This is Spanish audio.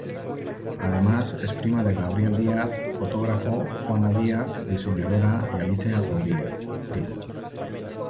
Además, es prima de Gabriel Díaz, fotógrafo, Juana Díaz, diseñadora, y Alicia Rodríguez, actriz.